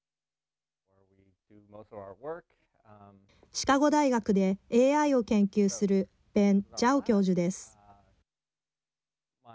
シカゴ大学でＡＩを研究するベン・ジャオ教授です。